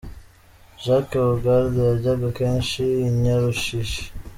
Jacques Hogard yajyaga kenshi i Nyarushishi.